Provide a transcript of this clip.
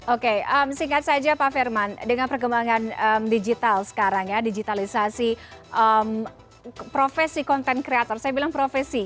oke singkat saja pak firman dengan perkembangan digital sekarang ya digitalisasi profesi konten kreator saya bilang profesi